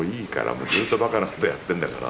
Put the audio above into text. もうずっとばかなことやってんだから。